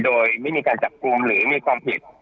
โดยไม่มีการจับกลุ่มหรือมีความผิด